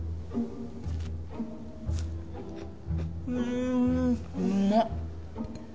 んうまっ。